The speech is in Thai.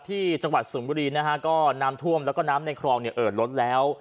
จังหวัดสุมบุรีนะฮะก็น้ำท่วมแล้วก็น้ำในคลองเนี่ยเอิดลดแล้ว